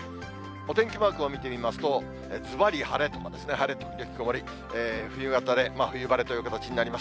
お天気マークを見てみますと、ずばり晴れとか、晴れ時々曇り、冬型で、冬晴れという形になります。